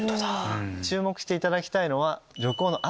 注目していただきたいのは旅行の後。